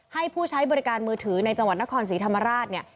ให้ผู้ใช้บริการมือถือในจังหวัดนครศรีธรรมราชเนี่ย